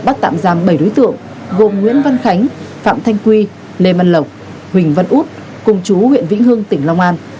bắt tạm giam bảy đối tượng gồm nguyễn văn khánh phạm thanh quy lê văn lộc huỳnh văn út cùng chú huyện vĩnh hương tỉnh long an